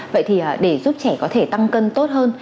vậy thì để giúp trẻ có thể tăng cân tốt hơn